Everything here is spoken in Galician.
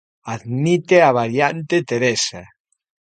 Admite a variante Teresa.